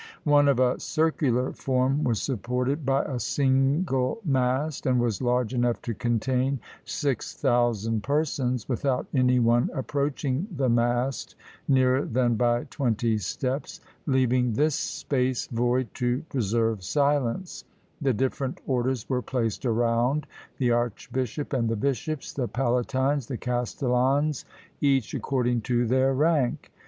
One of a circular form was supported by a single mast, and was large enough to contain 6000 persons, without any one approaching the mast nearer than by twenty steps, leaving this space void to preserve silence; the different orders were placed around; the archbishop and the bishops, the palatines, the castellans, each according to their rank.